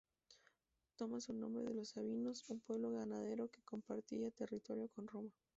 Toma su nombre de los sabinos, un pueblo ganadero que compartía territorio con Roma.